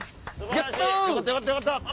やったあ！